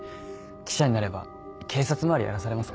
記者になれば警察回りやらされますから。